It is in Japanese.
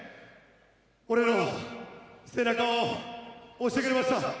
俺の背中を押してくれました。